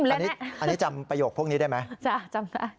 อันนี้อันนี้จำประโยคพวกนี้ได้ไหมจ้ะจำได้